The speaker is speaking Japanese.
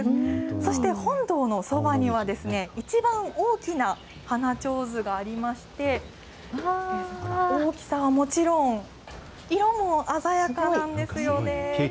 そして本堂のそばには、一番大きな花ちょうずがありまして、大きさはもちろん、色も鮮やかなんですよね。